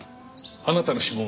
あなたの指紋